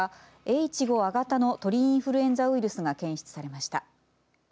Ｈ５亜型の鳥インフルエンザウイルスが検出されました。